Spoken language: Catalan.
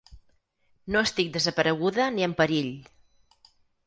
No estic desapareguda ni en perill.